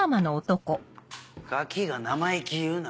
ガキが生意気言うな！